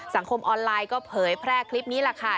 สังคมออนไลน์ก็เผยแพร่คลิปนี้แหละค่ะ